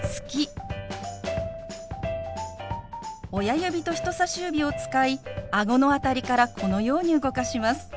親指と人さし指を使いあごの辺りからこのように動かします。